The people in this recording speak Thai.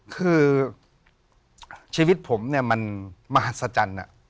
คือชีวิตผมมันมหาศจรรย์